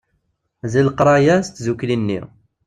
Deg leqraya d tdukkli-nni.